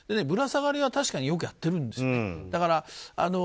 ぶら下がりは確かによくやってるんですよね。